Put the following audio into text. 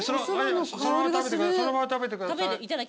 そのまま食べてください。